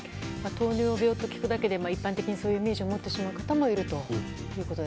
糖尿病と聞くだけで一般的にそういうイメージを持つ方もいると。